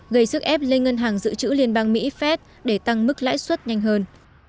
gây sức ép lên ngân hàng dự trữ liên bang mỹ phép để tăng mức lãi suất nhanh hơn